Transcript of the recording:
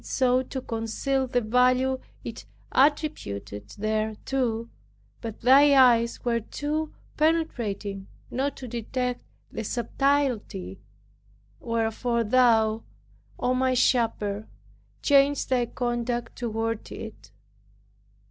It sought to conceal the value it attributed thereto. But thy eyes were too penetrating not to detect the subtilty. Wherefore, thou, O my Shepherd, changed Thy conduct toward it.